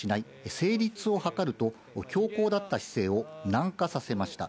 成立を図ると、強硬だった姿勢を軟化させました。